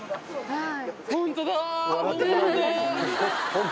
はい。